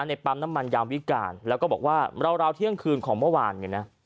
ในปั๊มน้ำมันยามวิการแล้วก็บอกว่าราวเที่ยงคืนของเมื่อวานเนี่ยนะ